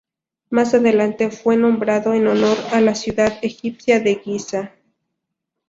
Más adelante fue nombrado en honor a la ciudad egipcia de Giza.